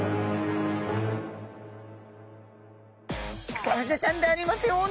クサフグちゃんでありますように！